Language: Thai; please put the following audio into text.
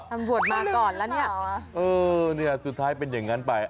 ตำรวจมาก่อนแล้วเนี่ยเออเนี่ยสุดท้ายเป็นอย่างนั้นไป